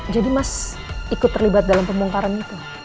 jadi mas ikut terlibat dalam pembongkaran itu